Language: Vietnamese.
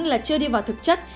là chưa đi vào thực chất